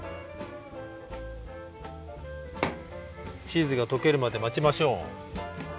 チーズがとけるまでまちましょう！